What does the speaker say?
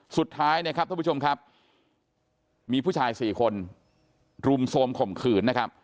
สุดท้ายนะครับท่านผู้ชมครับมีผู้ชายสี่คนรุมโทรมข่มขืนนะครับ